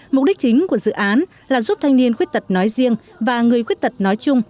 mục đích chính của dự án là giúp thanh niên khuyết tật nói riêng và người khuyết tật nói chung